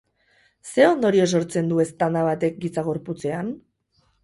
Zer ondorio sortzen du eztanda batek giza gorputzean?